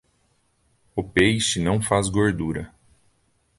O peixe não faz gordura.